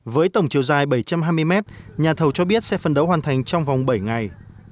với tổng chiều dài bảy trăm hai mươi m nhà thầu cho biết sẽ phấn đấu hoàn thành trong vòng bảy ngày